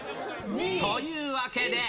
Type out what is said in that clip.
というわけで。